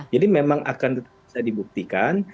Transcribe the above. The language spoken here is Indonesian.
jadi memang akan tetap bisa dibuktikan